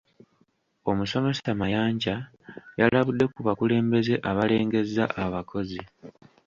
Omusomesa Mayanja yalabudde ku bakulembeze abalengezza abakozi.